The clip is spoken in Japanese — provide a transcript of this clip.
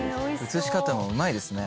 映し方もうまいですね。